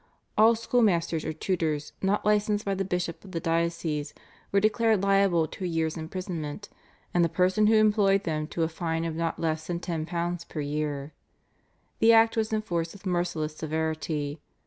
All schoolmasters or tutors not licensed by the bishop of the diocese were declared liable to a year's imprisonment, and the person who employed them to a fine of not less than £10 per month. The Act was enforced with merciless severity.